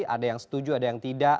ada yang setuju ada yang tidak